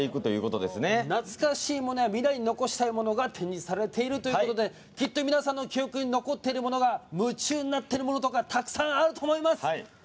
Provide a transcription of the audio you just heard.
懐かしいものや未来に残したいものが展示されているということできっと、皆さんの記憶に残ってるものとか夢中になってるものとかたくさんあると思います。